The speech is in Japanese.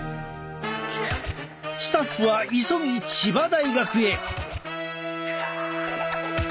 スタッフは急ぎ千葉大学へ。